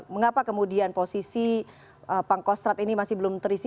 mengapa kemudian posisi pangkostrat ini masih belum terisi